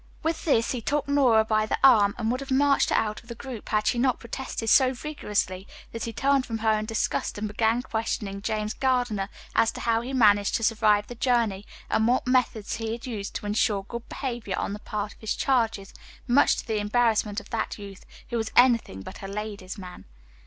With this, he took Nora by the arm and would have marched her out of the group had she not protested so vigorously that he turned from her in disgust and began questioning James Gardiner as to how he managed to survive the journey and what methods he had used to insure good behavior on the part of his charges, much to the embarrassment of that youth, who was anything but a "ladies' man."